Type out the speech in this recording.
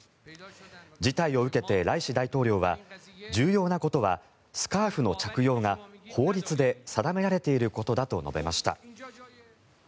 事態を受けてライシ大統領は重要なことはスカーフの着用が法律で定められていることだと述べました。